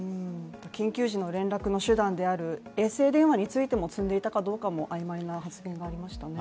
緊急時の連絡の手段である衛星電話についても積んでいたかどうかも曖昧な発言がありましたね。